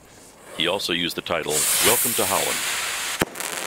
He also used the title "Welcome to Holland".